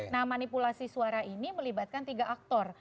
nah manipulasi suara ini melibatkan tiga aktor